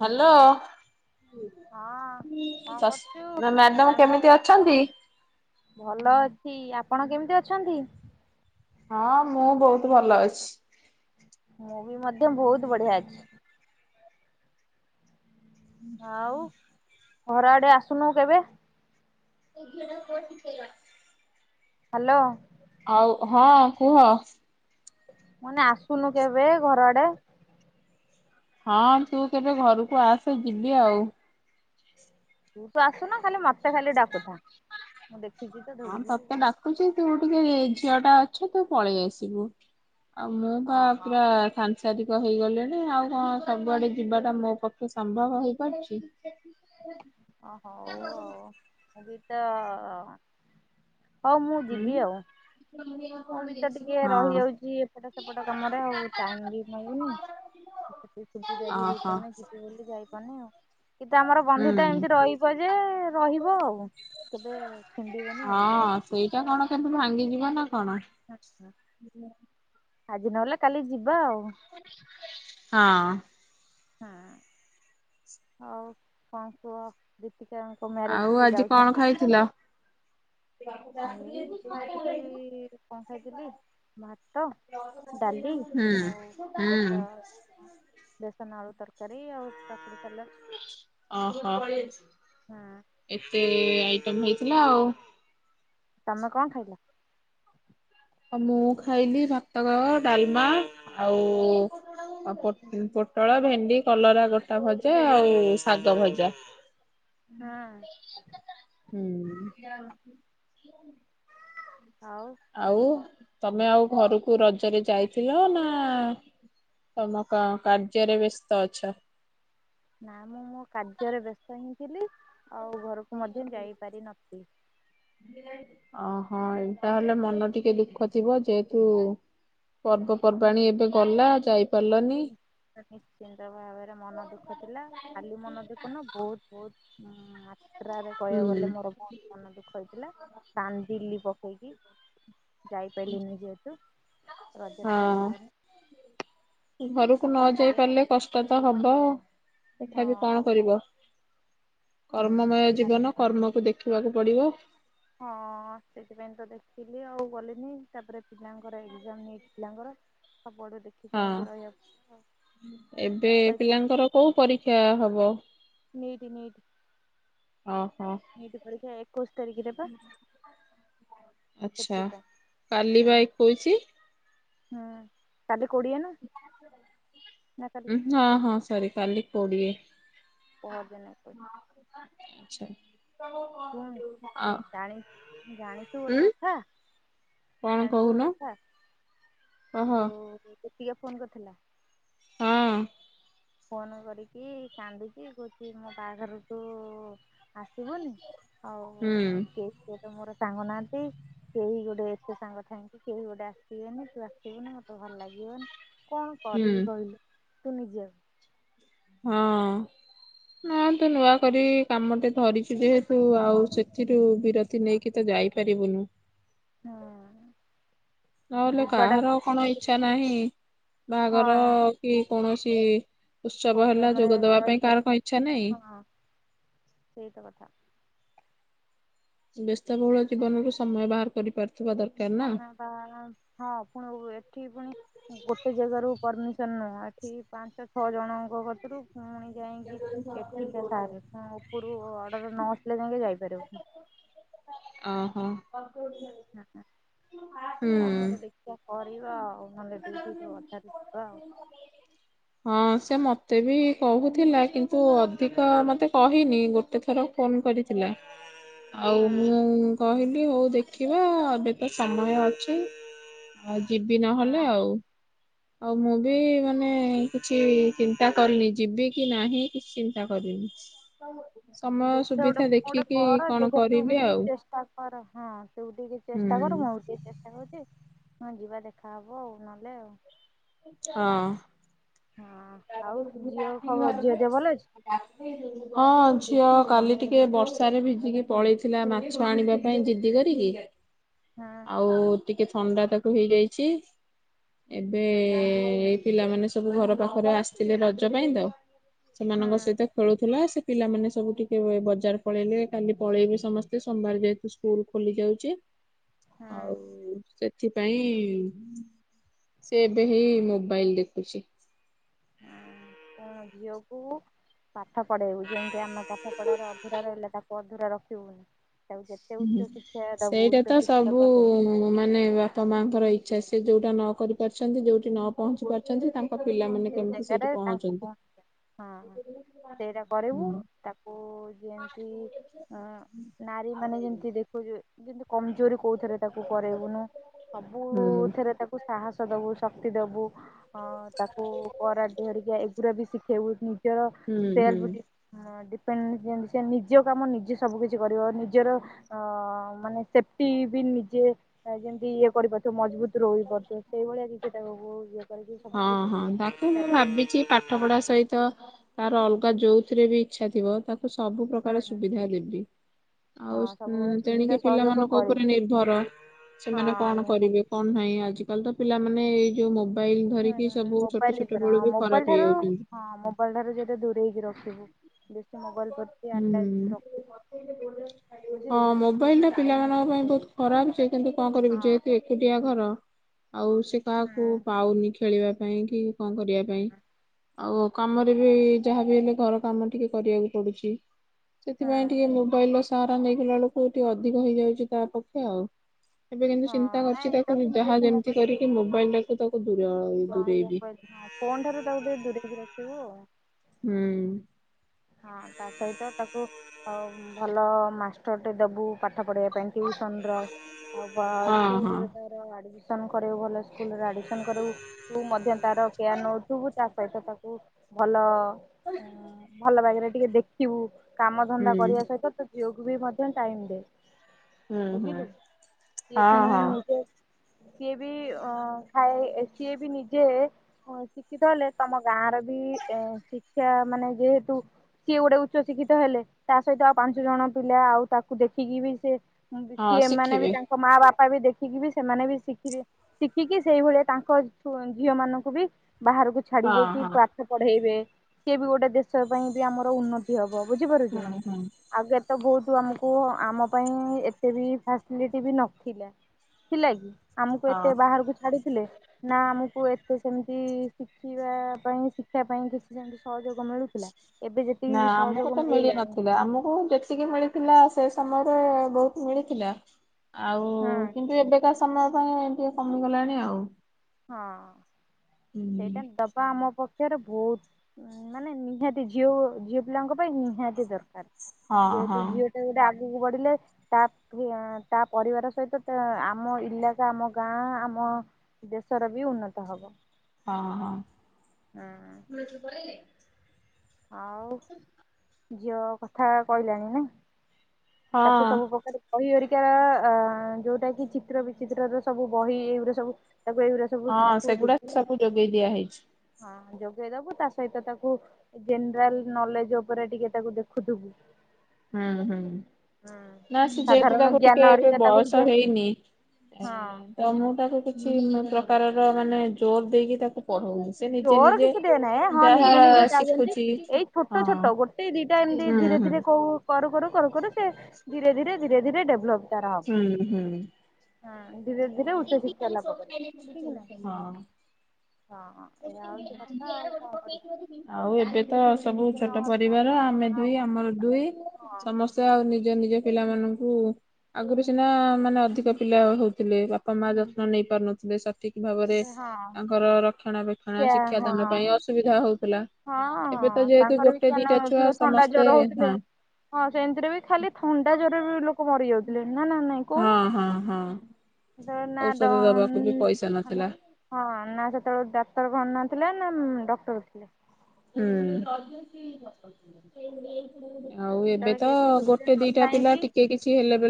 Hello. ହଁ କଣ କରୁଛୁ? ନା ମ୍ୟାଡାମ ସାଙ୍ଗ କେମିତି ଅଛନ୍ତି? ଭଲ ଅଛି ଆପଣ କେମିତି ଅଛନ୍ତି? ହଁ ମୁଁ ବହୁତ୍ ଭଲ ଅଛି। ମୁଁ ବି ମଧ୍ୟ ବହୁତୁ ବଢିଆ ଅଛି। ଆଉ ଘର ଆଡେ ଆସୁନୁ କେବେ? ମୁଁ ଝିଅଟା କୁ କହିଥିଲି ଶିଗ୍ର ଆସେ। ହ୍ୟାଲୋ। ଆଉ ହଁ କୁହ। ମାନେ ଆସୁନୁ କେବେ ଘର ଆଡେ। ହଁ ତୁ କେବେ ଘରକୁ ଆସେ ଯିବି ଆଉ। ତୁ ତ ଆସୁନ ଖାଲି ମତେ ଖାଲି ଡାକୁଥା। ମୁଁ ଦେଖିଛି ତ। ହଁ ଧଉଡିକି ତତେ ଡାକୁଚି ତୁ ଟିକେ ଝିଅ ଟା ଅଛ ତୁ ପଳେଇ ଆସିବୁ। ଆଉ ମୁଁ ବା ଓହୋ ପୁରା ସାନ୍ତି ସାଦିପା ହେଇଗଲେଣି ଆଉ କଣ ସବୁଆଡେ ଯିବାଟା ମୋ ପକ୍ଷେ ସମ୍ଭବ ହେଇପାରୁଛି। ନିହାତି। ଅ ହଉ ଆଉ, ମୁଁ ବି ତ ହଉ ମୁଁ ହୁଁ ଯିବି ଆଉ। [unintelligible] ମୁଁ ବି ତ ଟିକେ ହଁ ରହିଯାଉଚି ଏପଟ ସେପଟ କାମରେ ଆଉ ଟାଇମ ବି ମିଳୁନି। ମତେ ଟିକେ ସୁବିଧା ବି ଓହୋ। ହେଇପାରୁନି ଯିବି ବୋଲିି ଯାଇପାରୁନି ଆଉ। କିନ୍ତୁ ଆମର ବନ୍ଧୁତା ହୁଁ ଏମିତି ରହିବ ଯେ ରହିବ ଆଉ କେବେ ଛିଣ୍ଡିବନି ଆଉ। ହଁ ସେଇଟା କଣ କେନ୍ତୁ ଭାଙ୍ଗିଯିବ ନା କଣ? ଆଜି ନହେଲେ କାଲି ଯିବା ଆଉ। ହଁ। ହୁଁ, ଆଉ କଣ କୁହ ଦୀପିକା। ଆଉ ମ୍ୟାରେଜ କୁ ଆଜି କଣ ଯାଉଚନ୍ତି? ଖାଇଥିଲ? ଏଇ ଖାଇଥିଲି, କଣ ଖାଇଥିଲି? ଭାତ,। ଡାଲି ହୁଁ ଆଉ ହୁଁ ବସା। ବେସନ ଆଳୁ ତରକାରୀ ଆଉ କାକୁଡି ସାଲାଟ। ଅହ, ହଁ ଏତେ ଆଇଟମ୍ ହେଇଥିଲା ଆଉ। ତମେ କଣ ଖାଇଲ? ହ ମୁଁ ଖାଇଲି ଭାତକ, ଡାଲମା ଆଉ। ଆଉ ପୋଟଳ, ଭେଣ୍ଡି, କଲରା ଗୋଟା ଭଜା ଆଉ ଶାଗ ଭଜା। ହୁଁ। ହୁଁ। ଆଉ। ଆଉ, ତମେ ଆଉ ଘରୁକୁ ରଜରେ ଯାଇଥିଲ ନା। ତମ କା କାର୍ଯ୍ୟରେ ବ୍ୟସ୍ତ ଅଛ। ନା ମୁଁ ମୋ କାର୍ଯ୍ୟରେ ବ୍ୟସ୍ତ ହିଁ ଥିଲି, ଆଉ ଘରୁକୁ ମଧ୍ୟ ଯାଇପାରିନଥିଲି। ଅହ, ତାହେଲେ ମନ ଟିକେ ଦୁଃଖ ଥିବ ଯେହେତୁ। ପର୍ବପର୍ବାଣି ଏବେ ଗଲା ଯାଇ ପାରିଲନି। ନିଶ୍ଚିନ୍ତ ଭାବରେ ମନ ଦୁଃଖ ଥିଲା। ଖାଲି ମନ ଦୁଃଖ ନୁହଁ ବହୁତ୍ ବହୁତ୍। ଯାତ୍ରାରେ ହୁଁ କହିବାକୁ ଗଲେ ମୋର ବହୁତ୍ ମନ ଦୁଃଖ ହେଇଥିଲା। କାନ୍ଦିଲି ପକେଇକି। ଯାଇପାରିଲିନି ଯେହେତୁ ରଜ ଟା ହେଇପାରିଲାନି। ଘରୁକୁ ଆଉ ନ କଣ ଯାଇ କରିବା ପାରିଲେ କଷ୍ଟ ତ ହବ। ହଁ ତଥାପି କଣ ଆଉ କରିବ। କର୍ମମୟ ହୁଁ ଜୀବନ। କର୍ମକୁ ଦେଖିବାକୁ ପଡିବ। ହଁ, ସେଥିପାଇଁ ତ ଦେଖିଲି ଆଉ ଗଲିନି। ତାପରେ ପିଲାଙ୍କର ଏକ୍ସାମ୍ ନେଇ ପିଲାଙ୍କର। ସବୁଆଡୁ ଦେଖି। ହଁ, ଚାହିଁକି ରହିବାକୁ ପଡିଲା ଆଉ ଏବେ ପରୀକ୍ଷା ପିଲାଙ୍କର କୋଉ ପରୀକ୍ଷା ହବ? ନୀଇଟ୍ ନୀଇଟ୍। ଅହ। ନୀଇଟି ପରୀକ୍ଷା ଏକୋଇଶି ତାରିଖ ରେ ବା। ଆଚ୍ଛା। କାଲି ହୁଁ ବା ଏକୋଇସି। ହୁଁ। କାଲି କୋଡ଼ିଏ ନା। ନା କାଲି ହଁ ହଁ ସରି କାଲି। କୋଡ଼ିଏ। ପହରଦିନ ଏକୋଇଶ ଶୁଣୁ ଜାଣି [unintelligible] ଜାଣିଚୁ ଗୋଟେ କଥା କହ ଯୋଉ ଦୀପିକା ଫୋନ୍ କରିଥିଲା। ହଁ। ଫୋନ କରିକି କାନ୍ଦୁଚି କହୁଛି ମୋ ବାହାଘର କୁ ଉ ଆସିବୁନି ହଉ। ହୁଁ। କେହି ତ ମୋର ସାଙ୍ଗ ନାହାନ୍ତି କେହି ଗୋଟେ ଏତେ ସାଙ୍ଗ ଥାଇକ କି କେହି ଗୋଟେ ଆସିବେନି ତୁ ଆସିବୁନ ମତେ ଭଲ ଲାଗିବନି। କଣ ହୁଁ କରିବି କହିଲୁ ତୁ ନିଜେ କ ହଁ ଅଁ। ହଁ ତୁ ନୂଆ କରି କାମ ଟେ ଧରିଚୁ ଯେହେତୁ ଆଉ ସେଥିରୁ ବିର ତି ନେଇକି ତ ଯାଇପାରିବୁନି। ହଁ ଅଁ ନହେଲେ କାହାର କଣ ଇଚ୍ଛା ହଁ ନାହିଁ ବାହାଘର କି କୌଣସି ଉତ୍ସବ ହେଲା ପ୍ରୋଗ୍ରାମରେ ଯୋଗଦବା ଜଏନ୍ ପାଇଁ କରି କାହାର କଣ ଇଚ୍ଛା ନାହିଁ। ସେଇ ତ କଥା। ବ୍ୟସ୍ତବହୁଳ ଆଉ ଜୀବନରୁ ସମୟ ବାହାର କରିପାରୁଥିବା ଦରକାର ନା। ଆ ହଁ ଆପଣଙ୍କୁ ଏଠି ପୁଣି ଗୋଟେ ଜାଗାରୁ ପରମିସନ ନୁଁହ ଏଠି ପାଞ୍ଚ ଛଅ ଜଣଙ୍କ କତିରୁ ପୁଣି ଯାଇକି ଏଠିକା ସାର ଉପରୁ ଅର୍ଡର ନ ଆସିଲେ ଯାଇକି ଯାଇପାରିବ ନାହିଁ। ଅହ। ହୁଁ ହଁ। କଣ ଗୋଟେ ଦେଖିବା କରିବା ଆଉ ନହେଲେ ଡିଉଟି ରୁ ଅଧାରୁ ଯିବା ଆଉ। ହଁ ସେ ମତେ ବି କହୁ ଥିଲା କିନ୍ତୁ ଅଧିକ ମତେ କହିନି ଗୋଟେ ଥର ଫୋନ କରିଥିଲା। ଆଉ ହଁ ମୁଁ କହିଲି ହଉ ଦେଖିବା ଏବେ ତ ସମୟ ଅଛି। ଆଉ ଯିବି ନହେଲେ ଆଉ। ଆଉ ମୁଁ ବି ମାନେ କିଛି ଚିନ୍ତା କରିନି ଯିବି କି ନାହିଁ କିଛି ଚିନ୍ତା କରିନି। ସମୟ ଦେଖିବା ଗୋଟେ ସୁବିଧା କଣ ଗୋଟେ ଦେଖିକି କର କଣ ଦେଖେ ତୁ ବି କରିବି ଟିକେ ଆଉ ଚେଷ୍ଟା କର ହଁ ତୁ ଟିକେ ହୁଁ ଚେଷ୍ଟା କର ମୁଁ ଟିକେ ଚେଷ୍ ଷ୍ଟା କରୁଚି ହଁ ଯିବା ଦେଖା ହବ ଆଉ ନହେଲେ ଆଉ। ହଁ। ହଁ ଆଉ ଝିଅ ଖବ ଝିଅ ଦିହ ଭଲ ଅଛି? ହଁ ଝିଅ କାଲି ଟିକେ ବର୍ଷାରେ ଭିଜିକି ପଳେଇଥିଲା ମାଛ ଆଣିବା ପାଇଁ ଜିଦି କରିକି ହଁ। ଆଉ ଟିକେ ଥଣ୍ଡା ତାକୁ ହେଇଯାଇଛି ଏବେ ହୁଁ ଏ ପିଲାମାନେ ସବୁ ଘର ପାଖରେ ଆସିଥିଲେ ରଜ ପାଇଁ ତ ହୁଁ ସେମାନଙ୍କ ସହିତ ଖେଳୁଥିଲା ସେ ପିଲାମାନେ ସବୁ ଟିକେ ବଜାର ପଳେଇଲେ କାଲି ପଳେଇବେ ସମସ୍ତେ ସୋମବାର ଯେହେତୁ ସ୍କୁ ସ୍କୁଲ ଖୋଲି ଯାଉଚି ହ ଆଉ ସେ ସେଥିପାଇଁ ସେ ଏବେ ହି ମୋବାଇଲ ଦେଖୁଛି। ହୁଁ କଣ ଝିଅକୁ ପାଠ ପଢେଇବୁ ଯେମିତି ଆମେ ପାଠ ପଢାରେ ଅଧୁରା ରହିଲା ତାକୁ ଅଧୁରା ରଖିବୁନି। ତାକୁ ଯେତେ ଉଚ୍ଚ ଶିକ୍ଷା ସବୁ ସେଇଟା ତ ଉଚ୍ଚ ଶିକ୍ଷା ସବୁ ପା ମାନେ ବାପା ମାଙ୍କର ଇଚ୍ଛା ସେ ଯୋଉଟା ନ କରି ପାରୁଛନ୍ତି ଯୋଉଠି ନ ପହଞ୍ଚି ପାରୁଛନ୍ତି ତା ପିଲାମାନେେ ସେଇ ଜାଗାରେ ତାଙ୍କୁ ପହଞ୍ଚ ହଁ ସେଇଟା କରିବୁ ହୁଁ ତାକୁ ଯେମତି ଅ ନାରୀ ମାନେ ଯେମତି ଦେ ଯେମତି କମଜୋରି କୋଉଥିରେ ତାକୁ କରେଇବୁନୁ ହୁଁ ସବୁଥେରେ ତାକୁ ସାହସ ଦବୁ ଶକ୍ତି ଦବୁ ଅଁ ତାକୁ କରାଟି ହେରି ଏଗୁରାବି ଶିଖେଇବୁ ନିଜର ହୁଁ ହୁଁ। ସେଲଫ ଡି ହଁ ଡିପେଣ୍ଡ ଯେମତି ସେ ନିଜ କାମ ନିଜେ ସବୁ କିଛି କରିବ ନିଜର। ଅ ମାନେ ସେଫଟି ବି ନିଜେ ଏ ଯେମିତି ଇଏ କରିପାରୁ ତ ମଜବୁତ ରହିପାରୁଥିବ ସେଇଭଳିଆ କିଛିଟାକୁ ବୋ ଇଏ କରିକି ହଁ ସବୁ କିଛି। ହଁ ତାକୁ ଶିକ୍ଷା ମୁଁ ଦବୁ ଭାବିଚି ପାଠ ପଢା ସହିତ ତାର ଅଲଗା ଯୋଉଥିରେ ବି ଇଚ୍ଛା ଥିବ ତା କୁ ସବୁ ହଁ। ପ୍ରକାର ସୁବିଧା ଦେବି। ହଁ ଆଉ ସବୁ ପ୍ରକାର ସୁବିଧା ତେଣିକି ସହଯୋଗ ପିଲାମାନଙ୍କ କରିବୁ ଉପରେ ନିର୍ଭର ସେମାନେ ହଁ କଣ ନିହାତି କରିବେ। କଣ ନାହିଁ ଆଜି କାଲି ତ ପିଲାମାନେ ଏଇ ଯୋଉ ମୋ ବାଇଲି ଧରିକି ସବୁ ଛୋଟ ମୋବାଇଲ ଛୋଟ ଦ୍ଵାରା ବେଳୁ ହଁ ବି ମୋବାଇଲ ଖରାପ ଠାରୁ ହେଇଯାଉଚନ୍ତି। [unintelligible] ଠାରୁ ଯତେ ଦୂରେଇକି ରଖିବୁ। ବେଶୀ ମୋବା ହୁଁ ବୁଝିଲୁ ହଁ ମୋବାଇଲ ଟା ପିଲାମାନଙ୍କ ପାଇଁ ବହୁତ ଖରାପ ଯେ କିନ୍ତୁ କଣ କରିବୁ ହଁ ଯେହେତୁ ଏକୋଟିଆ ଘର ଆଉ ସେ ହୁଁ କାହାକୁ ପାଉନି ଖେଳିବା ପାଇଁ କି କଣ କରିବା ପାଇଁ। ହୁଁ ଆଉ କାମରେ ବି ଯାହାବି ହେଲେ ଘର କାମ ଟିକେ କରିବାକୁ ପଡୁଚି। ହୁଁ ସେଥିପାଇଁ ଟିକେ ମୋବାଇଲ ର ସାହାରା ନେଇଗଲା ବେଳକୁ ଟିକେ ଅଧିକ ହେଇଯାଉଛି ତା ପକ୍ଷେ ଆଉ। ଏବେ କିନ୍ତୁ ହଁ ଚିନ୍ତା କରିଛି ନାଇଁ ତାକୁ ଯାହା ବେଶୀ ଯେମିତି ମୋବାଇଲ କରିକି ହଁ ମୋବାଇଲ ଟାକୁ ତାକୁ ଦୂର ଦୂରେଇବି। ମୋବାଇଲ ହଁ ଫୋନ ଠାରୁ ତାକୁ ଟିକେ ଦୂରେଇକି ବି ରଖିବୁ ଆ ହୁଁ ହଁ ତା ସହିତ ତାକୁ। ଆଉ ଭଲ ମାଷ୍ଟରଟେ ଦବୁ ପାଠ ପଢ଼ିବା ପାଇଁ ଟିଉସନ ର। ଆଉ କହ ହଁ ସ୍କୁଲ ହଁ ରେ ତାର ଆଡ଼ମିସ ଆଡ଼ମିସନ୍ କରେଇବୁ ଭଲ ସ୍କୁଲରେ ଆଡ଼ମିସନ୍ କରେଇବୁ ତୁ ମଧ୍ୟ ତାର କେୟାର ନେଉଥିବୁ ତା ସହିତ ତାକୁ। ଭଲ ଉ ଭଲ ବାଗରେ ଟିକେ ଦେଖିବୁ କାମ ହୁଁ ଧନ୍ଦା କରିବା ସହିତ ତ ଝିଅକୁ ବି ମଧ୍ୟ ଟାଇମ ଦେ। ହୁଁ ହୁଁ। ବୁଝିଲୁ ସିଏ ହଁ ଫୁଣି ହଁ ନିଜେ ସିଏ ବି ଅ ଖାଏ ସିଏ ବି ନିଜେ। ମ ଶିକ୍ଷିତ ହେଲେ ତମ ଗାଁ ର ବି ଏଁ ଶିକ୍ଷା ମାନେ ଯେହେତୁ। ସିଏ ଗୋଟେ ଉଚ୍ଚ ଶିକ୍ଷିତ ହେଲେ ତା ସହିତ ଆଉ ପାଞ୍ଚ ଜଣ ପିଲା ଆଉ ତାକୁ ଦେଖିକି ବି ସେ ବି ହଁ ଏ ଏମାନେ ବି ଶିଖିବେ ତାଙ୍କ ମା ବାପା ବି ଦେଖିକି ବି ସେମାନେ ବି ଶିଖିବେ। ଶିଖିକି ସେଇଭଳିଆ ତାଙ୍କ ପୁଅ ଝିଅ ମାନଙ୍କୁ ବି ବାହାରକୁ ହଁ ଛାଡିବେ କି ହଁ ପାଠ ପଢେଇବେ ସିଏ ବି ଗୋଟେ ଦେଶ ପାଇଁ ବି ଆମର ଉନ୍ନ ତି ହବ ବୁଝିପାରୁଛୁ ନା। ହୁଁ ହୁଁ ଆଗେ ତ ବହୁତୁ ଆମୁକୁ ଆମ ପାଇଁ ଏତେ ବି ଫାସ୍ଲି ଟି ବି ନଥିଲା ଥିଲା କି ଆମୁକୁ ହଁ। ଏତେ ବାହାରୁକୁ ଛାଡିଥିଲେ ନା ଆମକୁ ଏତେ ସେମିତି ଶିଖିବା ପାଇଁ ଶିକ୍ଷିବା ପାଇଁ କିଛି ସେମତି ସହଯୋଗ ମିଳୁ ନା ଆମକୁ ତ ମିଳି ନଥିଲା ଆମକୁ ଯେତିକି ମିଳି ଥିଲା ସେ ସମୟରେ ବହୁତ୍ ମିଳିଥିଲା ଆଉ। ହୁଁ କିନ୍ତୁ ଏବେକା ସମୟ ପାଇଁ ଟିକେ କମିଗଲାଣି ଆଉ। ହଁ ସେଇଟା ହୁଁ ଦବା ଆମ ପ ଏହାର ବହୁତ ମାନେ ନିହାତି ଝିଓ ଝିଅ ପିଲାଙ୍କ ପାଇଁ ନିହାତି ହଁ ଦରକାର। ହଁ ଯେହେତୁ ଝିଅ ଟା ଗୋଟେ ଆଗୁକୁ ବଢିଲେ। ତା ତା ପରିବାର ସହିତ ଆମ ଇଲାକା ଆମ ଗାଁ ଆମ। ଦେଶର ବି ଉନ୍ନତ ହବ। ହଁ ହଁ। ହଁ। [inaudible] ଆଉ ଝିଅ କଥା କହିଲାଣି ନା? ହଁ ତାକୁ ସବୁ ପ୍ରକାର। ବହି ହରିକାର ଅ ଯୋଉଟା କି ଚିତ୍ର ବିଚିତ୍ର ର ସବୁ ବହି ଏଇଗୁଡା ସବୁ ତାକୁ ଏଇଗୁ ହଁ ସେଗୁଡା ସବୁ ଯୋଗେଇ ଦିଆ ହେଇଛି। ହଁ ଯୋଗେଇ ଦବୁ ତା ସହିତ ତାକୁ। ଜେନେରାଲ ନଲେଜ ଉପରେ ଟିକେ ତାକୁ ଦେଖୁଥିବୁ। ହୁଁ ହୁଁ ହୁଁ। ନା ସେ ଯେହେତୁ ସାଧାରଣ ତାକୁ ଜ୍ଞାନ ଟିକେ ଏବେ ହେରିକା ତାକୁ ଟିକେ ବୟସ ହେଇନି। ଏ ହଁ। ତ ମୁଁ ତାକୁ କିଛି ପ୍ରକାରର ମାନେ ଜୋର ଦେଇକି ତାକୁ ପଢଉନି। ସେ ନିଜେ ଜୋର ନିଜେ କିଛି ଦଏ ନାହିଁ ହଁ ଯାହା ନିଜେ ନିଜେ ଯାଉଛନ୍ତି ଶିଖୁଛି ଏଇ ଛୋଟ ହଁ। ଛୋଟ ଗୋ ସେଇ ଦିଟା ଏମିତି ହୁଁ ଧୀରେ ହୁଁ ଧୀରେ କ କରୁ କରୁ କର କରୁ ସେ ଧୀରେ ଧୀରେ ଧୀରେ ଧୀରେ ଡେଭଲପ। ତାର ହବ ହୁଁ ହୁଁ। ହଁ ଧୀରେ ଧୀରେ ଉଚ୍ଚ ଶିକ୍ଷା ଲାଭ କରିବ ଠିକ ନା ହଁ। ହଁ। ଏଇଆ ହଉଛି କଥା ଆଉ କଣ କରିବା। ଆଉ ଏବେ ତ ସବୁ ସେତିକି ଛୋଟ ନହେଲେ ଆମ ପରିବାର ଆମେ ଆଉ ଦୁଇ ଆମର ଦୁଇ ହଁ ସମ ସମସ୍ତେ ଆଉ ନିଜ ନିଜ ପିଲା ମାନଙ୍କୁ ଆଗରୁ ସିନା ମାନେ ଅଧିକ ପିଲା ହଉଥିଲେ। ଯତ୍ନ ନେଇ ପାରୁନଥିଲେ। ଠିକ ଭାବରେ ଏବେ ହଁ ତାଙ୍କର ରକ୍ଷଣା ବକ୍ଷଣା କିଆ ହଁ ଶିକ୍ଷାଦାନ ପାଇଁ ହଁ ଅସୁବିଧା ହଉଥିଲା। ଏବେ ହଁ ତ ଯେହେତୁ ତାଙ୍କର ବି ଗୋଟେ କିଏ ଦିଟା ଛୁଆ ନଉଥିଲେ ଥଣ୍ଡା ସମସ୍ତେ ଜର ହଉଥିଲେ। ହଁ। ହଁ ସେମିତିରେ ବି ଖାଲି ଥଣ୍ଡା ଜରରେ ବି ଲୋକ ମରି ଯାଉଥିଲେ ନା ନା ନାଇଁ ହଁ ହଁ ହଁ କୁଉନା। ଔଷଧ ଦବାକୁ ବି ପଇସା ନଥିଲା। [inaudible] ହଁ ନା ସେତେବେଳେ ଡାକ୍ତର ଭଲ ନଥିଲେ ନା ନା ଡକ୍ଟର ଥିଲେ। ହୁଁ। [inaudible] ଆଉ ଏବେ ତ ସେତେବେଳେ ଏତେ ସୁବିଧା ଗୋଟେ ଦିଟା ପିଲା ନଥାଇକି ଟିକେ କିଛି ହେଲେ ବେ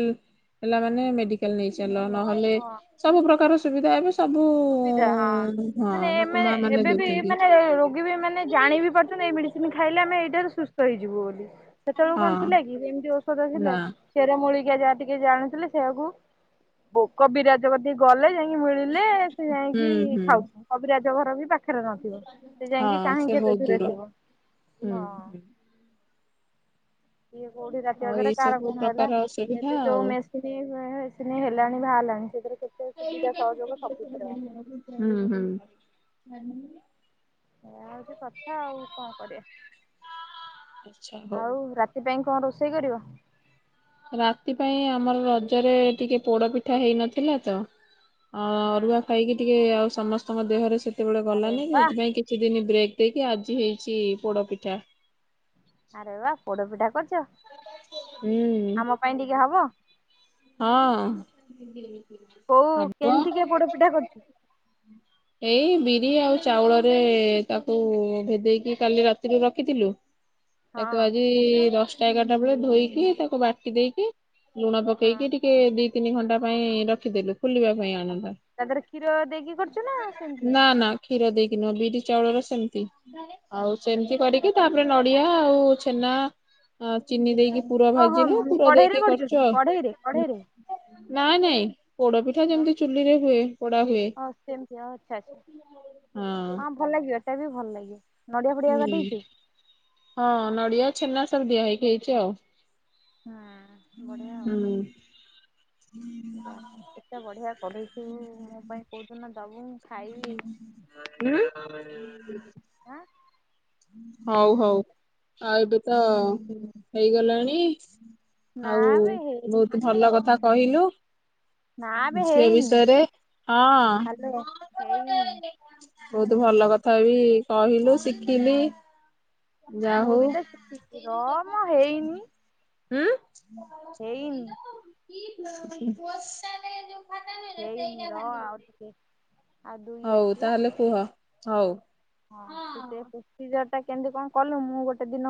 ହେଲା ମାନେ ମେଡିକାଲ ନେଇ ଚାଲ ନହେଲେ ହଁ ସବୁ ପ୍ରକାର ସୁବିଧା ଏବେ। ସବୁ ସୁବିଧା ହଁ ହଁ ମାନେ ବାପା ଏମାନେ ମା ମାନେ ଏବେ ବି ଦଉଛନ୍ତି। ମାନେ ରୋଗୀ ବି ମାନେ। ଜାଣି ବି ପାରୁଛନ୍ତି ଏଇ ମେଡିସିନ ଖାଇଲେ ଆମେ ଏଇଠାରୁ ସୁସ୍ଥ ହେଇଯିବୁ ବୋଲି। ସେତେବେଳକୁ କଣ ହଁ ଥିଲା କି ଏମିତି ଔଷଧ ଥିଲା। ନା ଚେର ମୂଳିକା ଯାହା ଟିକେ ଜାଣୁଥିଲେ ସେଆକୁ ଭୋକ ବିରାଜପତି ଗଲେ ଯାଇ ମିଳିଲେ ସେ ହୁଁ ଯାଇକି ହୁଁ ଖାଉ କବି ରାଜ ଘର ବି ପା ପାଖରେ ନଥିବ ସେ ଯାଇକି ହଁ ସେ କାହିଁକି କେତେ ବହୁତ ଦୂରେ ଦୂର। ଥିବ ହୁଁ ହଁ। ହୁଁ ଇଏ କୋଉଠି ରାତି ଅ ଆଉ ଦରେ ଏଇ କାର ସବୁ କଣ ହେଲା ପ୍ରକାର ଅସୁବିଧା ଏବେ ଯୋଉ ଆଉ। ମେସିନି ଫେସିନି ହେଲାଣି ବାହାରିଲାଣି ସେଥିରେ। ସେ ସୁବିଧା ସହଯୋଗ ସବୁଥିରେ ବା ହୁଁ ହୁଁ। ଏଇୟା ହଉଛି କଥା ଆଉ କଣ ଆଚ୍ଛା କରିବା ହଉ। ଆଉ ରା ତି ପାଇଁ କଣ ରୋଷେଇ କରିବ? ରାତି ପାଇଁ ଆମର ରଜରେ ଟିକେ ପୋଡ ପିଠା ହେଇନଥିଲା ତ। ଆ ଅରୁଆ ଖାଇକି ଟିକେ ଆଉ ସମସ୍ତଙ୍କ ଦେହରେ ସେତେବେଳେ ଆରେ ଗଲାନି ବା ସେଥିପାଇଁ। କିଛି ଦିନ ବ୍ରେକ୍ ଦେଇକି ଆଜି ହେଇଛି ପୋଡ ପିଠା। ଆରେ ବା ପୋଡ଼ ପିଠା କରୁଛ? ହୁଁ, ପାଇଁ ଟିକେ ହବ? ହଁ, କୋଉ ହବ କେମିତିକା ପୋଡ଼ ପିଠା କରୁଛୁ? ଏଇ ବିରି ଆଉ ଚାଉଳରେ ତାକୁ ଭେଦେଇକି କାଲି ରାତିରୁ ରଖିଥିଲୁ, ହଁ ତାକୁ ଆଜି ଦଶଟା ଏଗାରଟା ବେଳେ ଧୋଇକି ତାକୁ ବାଟି ଦେଇକି ଲୁଣ ପ କେଇକି ଟିକେ ଦିଇ ତିନି ଘଣ୍ଟା ପାଇଁ ରଖିଦେଲୁ, ଖୁଲିବା ପାଇଁ ଆଚ୍ଛା। ଆଣନ୍ଦ ତା ଦେହରେ କ୍ଷୀର ଦେଇକି କରୁଛୁ ନା ସେମିତି? ନା-ନା, କ୍ଷୀର ଦେଇକି ନହ ବିରି ଚାଉଳର ସେମିତି ଆଉ ସେମିତି କରିକି ତା ପରେ ନଡ଼ିଆ ଆଉ ଛେନା, ଆଉ ଚିନି ଦେଇକି ପୁର ଓହୋ ଭାଜିଲୁ ପୁର କଢେଇରେ ଦେଇକି କି କରୁଛୁ ଆଉ, କଢେଇରେ କଢେଇରେ? ନାଇଁ-ନାଇଁ ପୋଡ଼ ପିଠା ଯେମିତି ଚୁଲି ରେ ହୁଏ ପୋଡ଼ା ହୁଏ, ହଉ ସେମିତି ଆଉ ଆଛା, ହଁ, ଭଲ ଲାଗିବ ଏଟା ବି ଭଲ ଲାଗିବ, ନଡିଆ ଫଡିଆ ହୁଁ କାଟିଛୁ? ହଁ ନଡ଼ିଆ ଛେନା ସବୁ ଦିଆ ହେଇକି ହେଇଛି ଆଉ, ହୁଁଏଁ ବଢ଼ିଆ ଆଉ, ହୁଁ ଯା କେତେ-କେତେ ବଢ଼ିଆ କରିଛିବୁ ମୋ ପାଇଁ କହୁଦିନ ଦବୁ ମୁଁ ଖାଇବି? ହୁଁ, ହଉ-ହଉ ଆଉ ଏବେ ତ ହେଇଗଲାଣି, ନା ଆଉ ବେ ହେଇନି ବହୁତ୍ ଭଲ କଥା କହିଲୁ, ନା ବେ ଝିଅ ହେଇନି। ବିଷୟରେ ହ୍ୟାଲୋ ହଁ-ହଁ ହେଇନି [unintelligible] ବହୁତ୍ ଭଲ କଥା ବି କହିଲୁ ଶିଖିଲି, ଯା ମୁଁ ହଉ। ବି ତ ଶିଖିଛି ର ମ ହେଇନି, ହୁଁ ହେଇନି [unintelligible] ଓସାଟେ ଯୋଉ, ହେଇନି ର ଆଉ ଟିକେ, ଆଉ ଦୁଇ ହଉ ଅଛି ବା। ତାହେଲେ କୁହ ହଉ, ହଁ ତ ସେ ପ୍ରୋସିଜର ଟା କେମିତି କଁ କଲୁ ମୁଁ ଗୋଟେ ଦିନ,